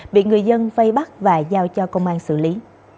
bị người dân vây bắt và giao cho công an xử lý